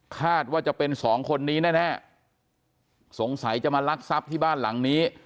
คาดว่าจะเป็นสองคนนี้แน่สงสัยจะมาลักทรัพย์ที่บ้านหลังนี้